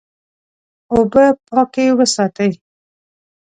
اوبه پاکې وساتئ.